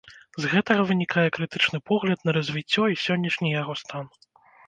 З гэтага вынікае крытычны погляд на развіццё і сённяшні яго стан.